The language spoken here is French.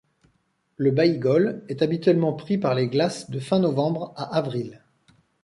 Le Baïgol est habituellement pris par les glaces de fin novembre à avril.